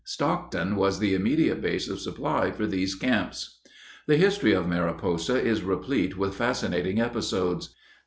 Stockton was the immediate base of supply for these camps. The history of Mariposa is replete with fascinating episodes.